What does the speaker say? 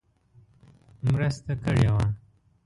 مرسته کړې وه.